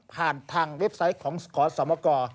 ผ่านทางเว็บไซต์ของขอสมก